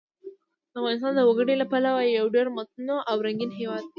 افغانستان د وګړي له پلوه یو ډېر متنوع او رنګین هېواد دی.